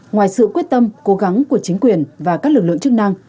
ngoài sự quyết tâm cố gắng của chính quyền và các lực lượng chức năng